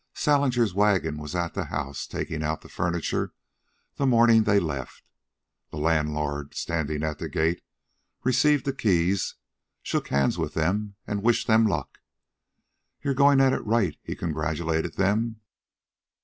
Salinger's wagon was at the house, taking out the furniture, the morning they left. The landlord, standing at the gate, received the keys, shook hands with them, and wished them luck. "You're goin' at it right," he congratulated them.